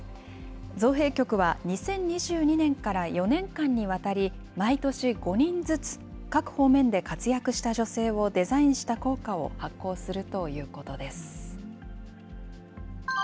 造幣局は２０２２年から４年間にわたり、毎年５人ずつ、各方面で活躍した女性をデザインした硬貨を発行するということです。